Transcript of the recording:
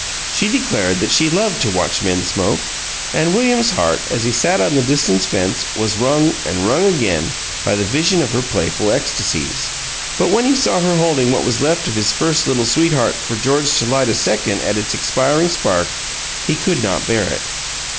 She declared that she loved to watch men smoke, and William's heart, as he sat on the distant fence, was wrung and wrung again by the vision of her playful ecstasies. But when he saw her holding what was left of the first Little Sweetheart for George to light a second at its expiring spark, he could not bear it.